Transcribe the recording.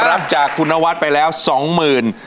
รับจากคุณนวัสดิ์ไปแล้ว๒หมื่น